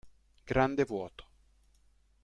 Grande Vuoto